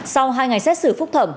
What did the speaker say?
sau hai ngày xét xử phúc thẩm